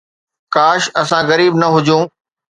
ڪاش اسان غريب نه هجون